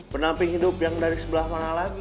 penamping hidup yang dari sebelah mana lagi